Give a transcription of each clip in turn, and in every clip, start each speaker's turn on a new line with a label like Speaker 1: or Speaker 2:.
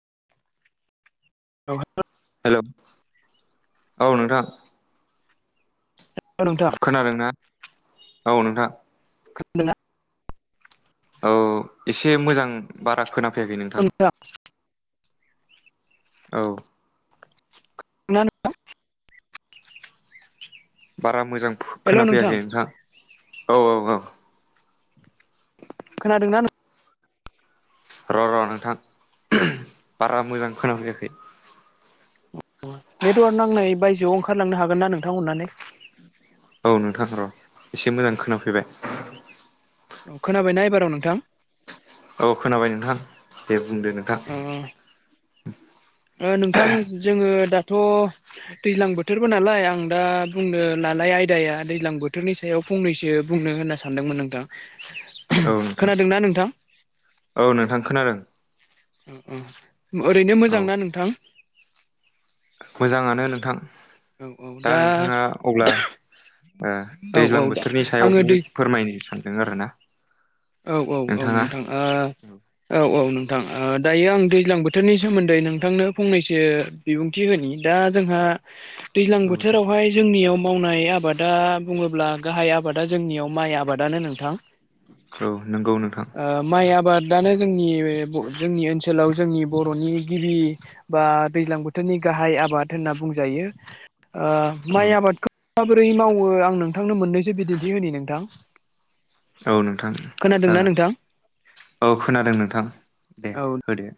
Speaker 1: [inaudible]
Speaker 2: हेल' औ नोंथां।
Speaker 1: हेल' नोंथां
Speaker 2: खोनादोंना? औ नोंथां।
Speaker 1: खोनादोंना?
Speaker 2: औ एसे मोजां बारा खोना
Speaker 1: [inaudible]
Speaker 2: औ
Speaker 1: [inaudible]
Speaker 2: बारा मोजां खोनाफैयाखै नोंथां औ औ औ।
Speaker 1: खोनादोंना नों
Speaker 2: र' र' नोंथां बारा मोजां खोनफैयाखै।
Speaker 1: नेटवार्क नांनाय बायजोआव ओंखारलांनो हागोन ना नोंथां अननानै
Speaker 2: औ नोंथां र' एसे मोजां खोनाफैबाय।
Speaker 1: औ खोनाबायना एबाराव नोंथां?
Speaker 2: औ खोनाबाय नोंथां दे बुंदो नोंथां
Speaker 1: ओ नोंथां जोङो दा थ' दैज्लां बोथोरबो नालाय आं दा बुंनो लानाय आयदाया दैज्लां बोथोरनि सायाव फंनैसो बुंनो होनना सानदोंमोन नोंथां
Speaker 2: औ नोंथां
Speaker 1: खोनादोंना नोंथां
Speaker 2: औ नोंथां खोनादों।
Speaker 1: ओ ओम ओरैनो
Speaker 2: औ
Speaker 1: मोजांना नोंथां?
Speaker 2: मोजाङानो नोंथां
Speaker 1: औ औ
Speaker 2: दा नोंथाङा अब्ला ओ
Speaker 1: औ औ
Speaker 2: दैज्लां
Speaker 1: दा
Speaker 2: बोथोरनि
Speaker 1: आङो
Speaker 2: सायाव
Speaker 1: दै
Speaker 2: फोरमायनो सानदों आरो ना
Speaker 1: औ औ औ नोंथां
Speaker 2: औ
Speaker 1: ओ औ औ नों थां ओ दायो आं दैज्लां बोथोरनि सोमोन्दै नोंथांनो फंनैसो बिबुंथि होनि दा जोंहा। दैज्लां
Speaker 2: औ दे
Speaker 1: बोथोरावहाय जोंनियाव मावनाय आबादा बुङोब्ला गाहाय आबादा जोंनियाव माइ आबादानो
Speaker 2: औ नंगौ नोंथां।
Speaker 1: दानो जोंनि जोंनि ओनसोलाव जोंनि बर'नि गिबि बा दैज्लां बोथोरनि गाहाय आबाद होनना बुंजायो ओ माइ
Speaker 2: औ
Speaker 1: आबादखौ बोरै मावो आं नोंथांनो मोननैसो बिदिन्थि होननि नोंथां।
Speaker 2: औ नोंथां
Speaker 1: खोनादोंना
Speaker 2: जागोन।
Speaker 1: नोंथां
Speaker 2: औ खोनादों नोंथां दे
Speaker 1: औ
Speaker 2: होदे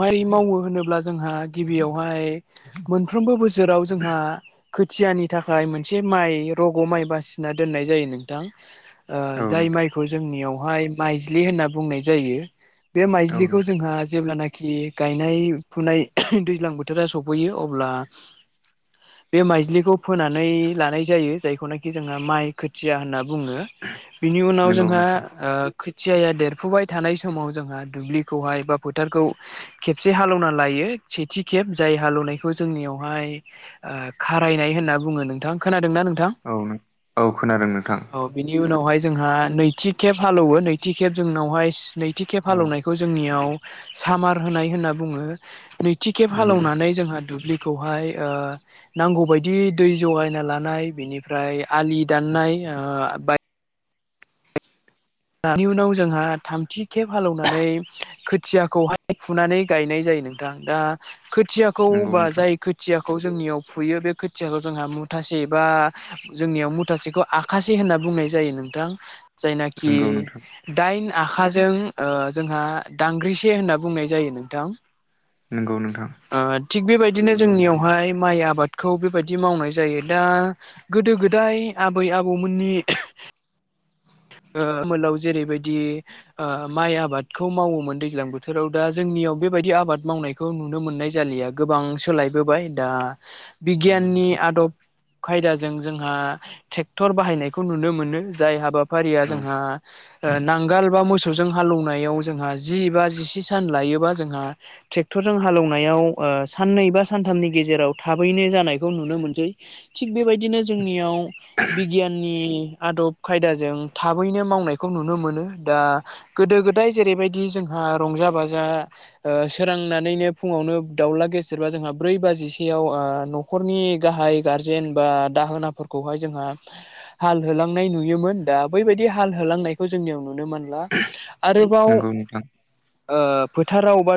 Speaker 1: मारै मावो होनोब्ला जोंहा गिबियावहाय मोनफ्रोमबो बो। सोराव जोंहा। खोथियानि थाखाय मोनसे माइ रग' माइ बासिना दोननाय जायो नोंथां। ओ
Speaker 2: औ
Speaker 1: जाय
Speaker 2: नोंथां
Speaker 1: माइखौ जोंनियावहाय माइज्लि होनना बुंनाय जायो। बे
Speaker 2: औ
Speaker 1: माइज्लिखौ
Speaker 2: नोंथां
Speaker 1: जोंहा जेब्लाना। खि गायनाय फुनाय दैज्लां बोथोरा सफैयो अब्ला। बे माइज्लिखौ फोनानै लानाय जायो जायखौनाखि जोंहा माइ खोथिया होनना। बुङो बिनि उनाव
Speaker 2: नंगौ
Speaker 1: जोंहा
Speaker 2: नोंथां
Speaker 1: ओ। खोथियाया देरफुबाय थानाय समाव जोंहा दुब्लिखौहाय बा फोथारखौ। खेबसे हालौना लायो सेथि खेब जाय हालौनायखौ जोंनियावहाय ओ। बारायनाय होनना बुङो नोंथां खोना। दोंना नोंथां
Speaker 2: औ औ खोनादों नोंथां
Speaker 1: औ बिनि उनाहाय जोंहा नै। थि खेब हालौवो नैथि खेब जोंनावहाय नैथि खेब
Speaker 2: औ
Speaker 1: हालौवनायखौ जोंनियाव। सामार होनाय होनना बुङो नैथि खेब
Speaker 2: नंगौ नोंथां
Speaker 1: हालेनानै जोंहा दुब्लि। खौहाय ओ नांगौबायायदि दै जगायना लानाय बेनिफ्राय। आलि दाननाय ओ बाय। [unintelligible] उनाव जोंहा थामथि खेब हालौनानै खोथियाखौहाय फुनानै गायनाय जायो। नोंथां दा खोयाखौ
Speaker 2: नंगौ
Speaker 1: बा
Speaker 2: नोंथां
Speaker 1: जाय खोथिया। खौ जोंनियाव फुयो बे खोथियाखौ जोंहा मुथासे बा जोंनियाव मुथासेखौ आखासे होनना। बुंनाय जायो नोंथां जायनाखि
Speaker 2: नंगौ नोंथां
Speaker 1: दाइन। आखाजों ओ जोंहा दांग्रिसे होनना बुंनाय जायो नोंथां।
Speaker 2: नंगौ नोंथां।
Speaker 1: बिदिनो जोंनियावहाय माइ आबादखौ बेबायदि मावनाय जायो दा गोदो गोदाय आबै। आबौमोननि। ओ मोलाव जेरैबायदि माइ आबादखौ मावोमोन दैज्लां बोथोराव दा जोंनियाव बे। बायदि आबाद मावनायखौ नुनो मोननाय जालिया गोबां सोलायबोबाय दा।
Speaker 2: नंगौ
Speaker 1: बिगियाननि
Speaker 2: नोंथां
Speaker 1: आदब। खायदाजों जोंहा ट्रेक्टर बाहायनायखौ नुनो मोनो जाय हाबाफारिया
Speaker 2: औ
Speaker 1: जोंहा। नांगाल बा मोसौजों हालौवनायाव जोंहा जि बा जिसे सान लायोबा जोंहा ट्रेक्टर। जों हालौनायाव ओ साननै बा सानथामनि गेजेराव थाबैनो जानायखौ नुनो मोनसै थिक बे। बेबायदिनो जोंनियाव बिगियाननि आदब खायदाजों। थाबैनो मावनायखौ नुनो मोनो दा गोदो गोदाय जेरैबायदि जोंहा रंजा बाजा। ओ सोरांनानैनो फुङावनो दाउला गेसेरबा जोंहा ब्रै बाजिसेयाव ओ न'खरनि। गाहाय गारजेन बा दाहोनाफोरखौहाय जोंहा हाल होलांनाय नुयोमोन। दा बैबायदि हाल होलांनायखौ जोंनियाव नु। नो मोनला आरोबाव
Speaker 2: नंगौ नोंथां
Speaker 1: ओ फोथाराव बा।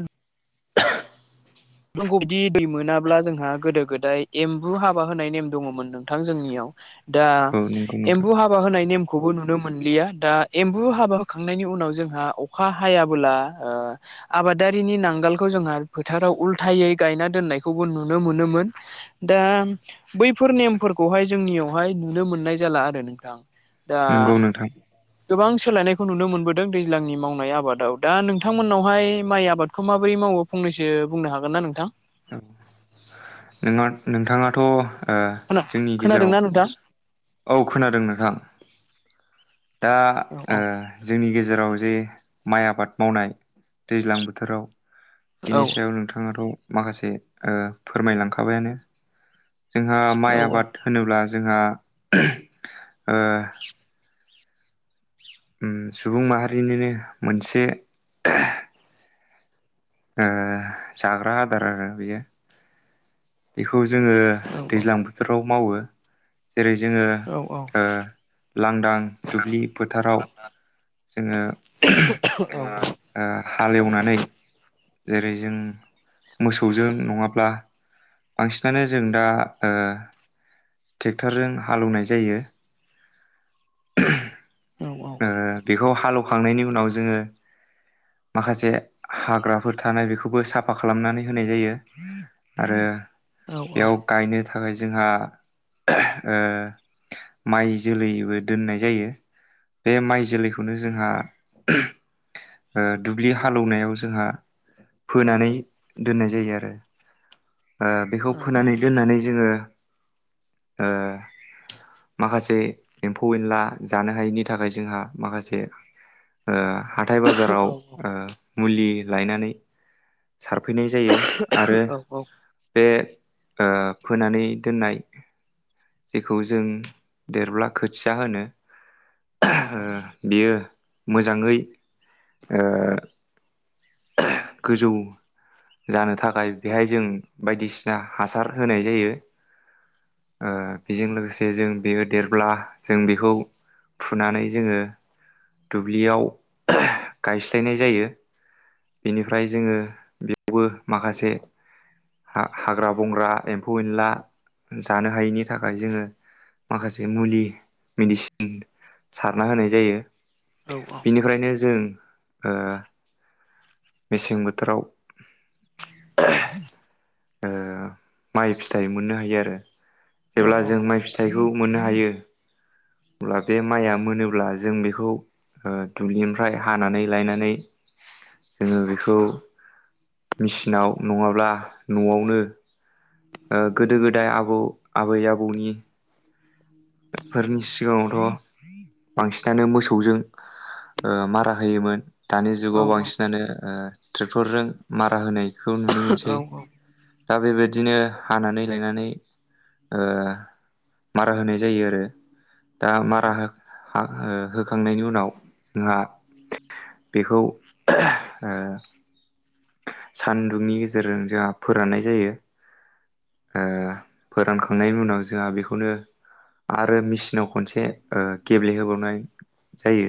Speaker 1: फोरखौ बिदि दै मोनाब्ला जोंहा गोदो गोदाय एम्बु हाबा होनाय नेम दङमोन नोंथां जोंनियाव। दा
Speaker 2: औ नंगौ नोंथां
Speaker 1: एम्बु हाबा होनायनि। खौबो नुनो मोनलिया दा एम्बु हाबा होखांनायनि उनाव जोंहा अखा हायाबोला ओ। आबादारिनि नांगालखौ जोंहा फोथाराव उल्थ। थायै गायना दोननायखौबो नुनो मोनोमोन दा बैफोर नेमफोरखौहाय जोंनि। -वहाय नुनो मोननाय जाला आरो नोंथां दा
Speaker 2: नंगौ नोंथां
Speaker 1: गोबां सोलायनायखौ नुनो मोनबो दैज्लांनि मावनाय आबादाव दा नोंथांमोननावहाय माइ आबादखौ माबोरै मावो फंनैसो बुंनो हागो -गोन ना नोंथां
Speaker 2: [unintelligible] नोंथाङाथ' ओ
Speaker 1: खोना खोनादोंना नोंथां? औ
Speaker 2: जोंनि गेजेराव औ खोनादों नोंथां दा ओ जोंनि गेजेराव जे माइ आबाद मावनाय दैज्लां बोथोराव बिनि सायाव नोंथाङाथ' माखासे ओ फोरमायलांखाबायानो जोंहा माइ आबाद होनोब्ला जोंहा ओ ओम सुबुं माहारिनोनो मोनसे ओ जाग्रा आदार आरो बेयो बेखौ खौ जोंङो दैज्लां बोथोराव मावो जेरै जोंङो ओ लांदां दुब्लि फोथाराव जोंङो ओ हालेवनानै जेरै जों मोसौजों नंङाब्ला बांसिनानो जों दा ओ ट्रेक्टरजों हालेवनाय जायो बेखौ हालेवखांनायनि उनाव जोंङो माखासे हाग्राफोर थानाय बेखौबो साफा खालामनानै होनाय जायो आरो बेयाव गायनो थाखाय जोंहा ओ माइ जोलैबो दोननाय जायो बे माइ जोलैखौनो जोंहा दुब्लि हालौनायाव जोंहा फोनानै दोननाय जायो आरो ओ बेखौ फोनानै दोननानै जोंङो ओ माखासे एम -फौ एनला जानो हायिनि थाखाय जोंहा माखासे ओ हाथाय
Speaker 1: औ
Speaker 2: बाजाराव मुलि लायनानै सारफैनाय जायो आरो बे ओ फोनानै दोननाय जेखौ जों देरब्ला खो थिया होनो बियो मोजांङै ओ गोजौ जानो थाखाय बेहाय जों बायदिसिना हासार होनाय जायो ओ बेजों लोगोसे जों बेयो देरब्ला जों बेखौ फुनानै जोंङो दुब्लियाव गायस्लायनाय जायो बेनिफ्राय जोंङो बेयावबो माखासे हा हाग्रा बंग्रा एम्फौ एनला जानो हायैनि थाखाय जोंङो माखासे मुलि मेडिसिन सारना होनाय जायो बेनिफ्रायनो जों ओ मेसें बोथोराव
Speaker 1: [unintelligible]
Speaker 2: ओ माइ फिथाइ मोननो हायो आरो जेब्ला जों माइ फिथाइ खौ मोननो हायो अब्ला बे माइआ मोनोब्ला जों बेखौ ओ दुब्लिनिफ्राय हानानै लायनानै जोंङो बेखौ मेचिनाव नंङाब्ला न'आवनो ओ गोदो गोदाय आबौ आबै आबौनि फोरनि सिगाङावथ बांसिनानो मोसौजों ओ मारा होयोमोन दानि जुगाव बांसिनानो ओ ट्रेक्टरजों मारा होनायखौ नुनो मोनसै। दा बेबायदिनो हानानै लायनानै ओ मारा होनाय जायो आरो दा
Speaker 1: औ
Speaker 2: मारा होखांनायनि उनाव जोंहा बेखौ ओ- सान्दुंनि गेजेरजों जोंहा फोराननाय जायो, ओ फोरानखांनायनि उनाव जोंहा बेखौनो आरो मेचिनाव खनसे ओ गेब्लेहोबावनाय जायो।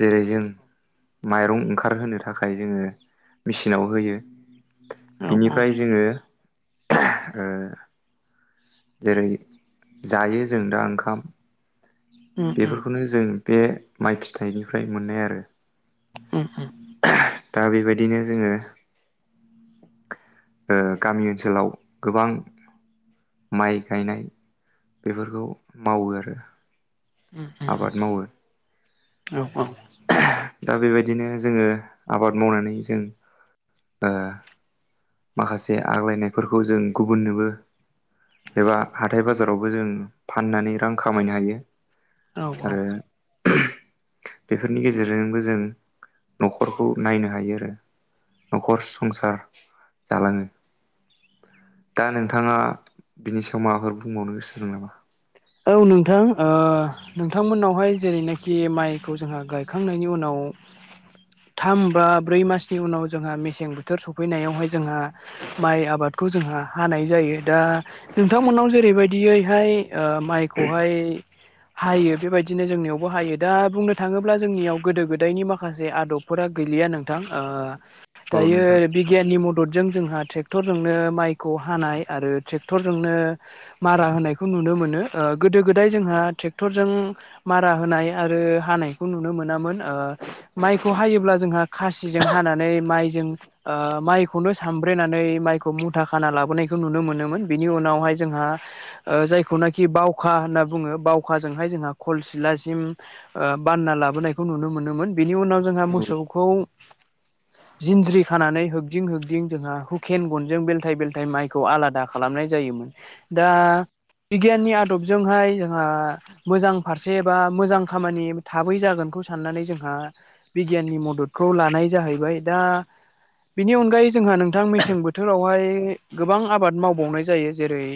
Speaker 2: जेरै जों माइरं ओंखारहोनो थाखाय जोंङो मेचिनाव होयो।
Speaker 1: उम
Speaker 2: बिनिफ्राय जोङो ओ जेरै जायो जों दा ओंखाम
Speaker 1: उम
Speaker 2: बेफोरखौनो जों बे माइ फिथाइनिफ्राय मोनो आरो।
Speaker 1: उम उम।
Speaker 2: दा बेबायदिनो जोङो ओ गामि ओनसोलाव गोबां माइ गायनाय बेफोरखौ मावो आरो
Speaker 1: उम
Speaker 2: आबाद मावो।
Speaker 1: औ औ
Speaker 2: दा बेबायदिनो जोङो आबाद मावनानै जों ओ माखासे आग्लायनायफोरखौ जों गुबुननोबो एबा हाथाय बाजारावबो जों फाननानै रां खामायनो हायो।
Speaker 1: औ
Speaker 2: आरो
Speaker 1: औ।
Speaker 2: बेफोरनि गेजेरजोंबो जों न'खरखौ नायनो हायो आरो न'खर संसार जालाङो। दा नोंथाङा बिनि सायाव माबाफोर बुंबावनो गोसो दं नामा?
Speaker 1: औ नोंथां ओ नोंथांमोननावहाय जेरैनाखि माइखौ जोंहा गायखांनायनि उनाव [inaudible] थाम बा ब्रै मासनि उनाव जोंहा मेसें बोथोर सफैनायावहाय जोंहा माइ आबाद खौ जोंहा हानाय जायो, दा नोंथांमोननाव जेरैबायदियैहाय ओ माइखौहाय हायो बेबायदिनो जोंनियावबो हायो। दा बुंनो थाङोब्ला जोंनियाव गोदो गोदायनि माखासे आदब फोरा गैलिया नोंथां, ओ
Speaker 2: औ
Speaker 1: दायो
Speaker 2: नोंथां
Speaker 1: बिगियाननि मददजों जोंहा ट्रेक्टरजोंनो माइखौ हानाय आरो ट्रेक्टरजोंनो मारा होनायखौ नुनो मोनो। ओ गोदो गोदाय जोंहा ट्रेक्टरजों मारा होनाय आरो हानायखौ नुनो मोनामोन। ओ माइखौ हायोब्ला जोंहा खासिजों हानानै माइजों ओ माइखौनो सामब्रे नानै माइखौ मुथा खाना लाबोनायखौ नुनो मोनोमोन। बिनि उनावहाय जोंहा ओ जायखौना खि बावखा होनना बुङो, बावखाजोंहाय जोंहा खलसिथ्ला सिम ओ बान्ना लाबोनायखौ नुनो मोनोमोन। बेनि उनाव जोंहा
Speaker 2: औ
Speaker 1: मोसौखौ जिनज्रि खानानै होगदिं होगदिं जोंहा हुखेन ग'नजों बेलथाय बेलथाय माइखौ आलादा खालामनाय जायो मोन, दा बिगियाननि आदबजोंहाय जोंहा मोजां फारसे बा मोजां खामानि थाबै जागोनखौ स साननानै जोंहा बिगियाननि मददखौ लानाय जाहैबाय। दा बिनि अनगायै जोंहा नोंथां मेसें बोथोरावहाय गोबां आबाद मावबावनाय जायो। जेरै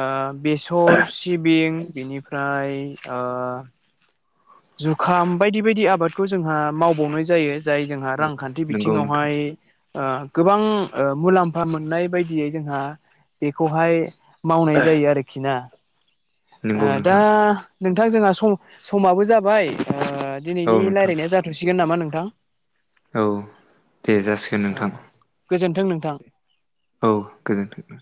Speaker 1: ओ बेसर, सिबिं बेनिफ्राय ओ जुखाम बायदि बायदि आबादखौ जोंहा मावबावनाय जायो। जाय जोंहा
Speaker 2: औ
Speaker 1: रां खान्थि
Speaker 2: नंगौ नोंथां
Speaker 1: बिथिङावहाय ओ गोबां ओ मुलाम्फा मोननाय बायदियै जोंहा बेखौहाय मावनाय जायो आरोखि ना। ओ
Speaker 2: नंगौ
Speaker 1: दा
Speaker 2: नोंथां
Speaker 1: नोंथां जोंहा सम समाबो जाबाय ओ
Speaker 2: औ
Speaker 1: दिनैनि
Speaker 2: नोंथां
Speaker 1: रायज्लायनाया जाथसिगोन नामा नोंथां?
Speaker 2: औ दे जासिगोन
Speaker 1: औ
Speaker 2: नोंथां
Speaker 1: औ गोजोन्थों नोंथां।
Speaker 2: औ गोजोनथों।